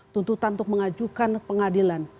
tuntutan untuk mengajukan pengadilan